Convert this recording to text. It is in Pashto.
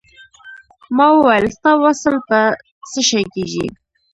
ما وویل ستا وصل په څه شی کېږي.